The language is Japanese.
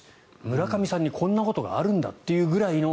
村上さんにこんなことがあるんだというくらいの。